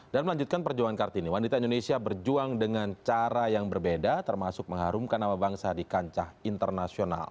dan melanjutkan perjuangan kartini wanita indonesia berjuang dengan cara yang berbeda termasuk mengharumkan nama bangsa di kancah internasional